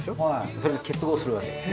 それが結合するわけです。